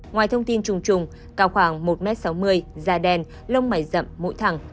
ngoài thông tin trùng trùng cao khoảng một m sáu mươi da đen lông mải rậm mũi thẳng